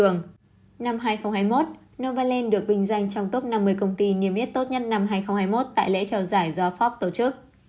năm hai nghìn hai mươi một novaland được vinh danh trong top năm mươi công ty niêm yết tốt nhất năm hai nghìn hai mươi một tại lễ trao giải do pháp tổ chức